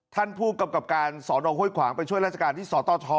ท่านผู้กำกับการสอนอห้วยขวางไปช่วยราชการที่สตท